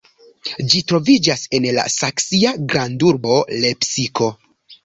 Ĝi troviĝas en la saksia grandurbo Lepsiko.